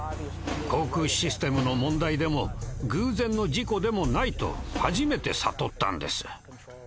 航空システムの問題でも偶然の事故でもないと初めて悟ったんです。